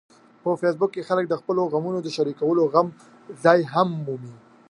په فېسبوک کې خلک د خپلو غمونو د شریکولو ځای هم مومي